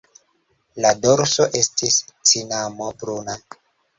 La dorso estis cinamo-bruna.